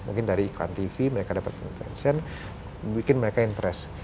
mungkin dari iklan tv mereka dapat investion bikin mereka interest